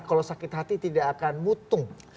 kalau sakit hati tidak akan mutung